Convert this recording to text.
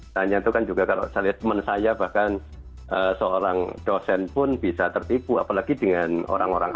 dan yang itu kan juga kalau saya lihat teman saya bahkan seorang dosen pun bisa tertipu apalagi dengan orang orang